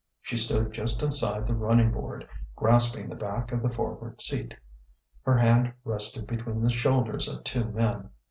She stood just inside the running board, grasping the back of the forward seat. Her hand rested between the shoulders of two men.